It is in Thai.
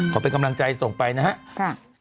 เป็นกำลังใจส่งไปนะครับ